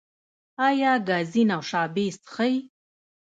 ایا ګازي نوشابې څښئ؟